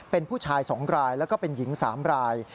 เป็นผู้ชาย๒รายแล้วก็เป็นหญิง๓ราย